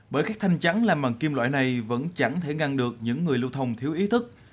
bởi các thanh chắn làm bằng kim loại này vẫn chẳng thể ngăn được những người lưu thông thiếu ý thức